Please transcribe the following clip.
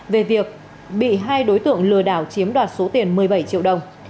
về việc bị hai đối tượng lừa đảo chiếm đoạt số tiền một mươi bảy triệu đồng